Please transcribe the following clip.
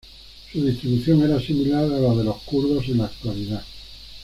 Su distribución era similar a la de los kurdos en la actualidad.